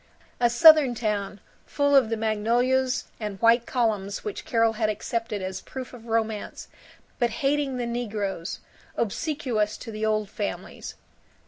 A Southern town, full of the magnolias and white columns which Carol had accepted as proof of romance, but hating the negroes, obsequious to the Old Families.